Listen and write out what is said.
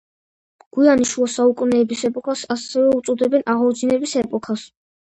გვიანი შუა საუკუნეების ეპოქას ასევე უწოდებენ აღორძინების ეპოქას.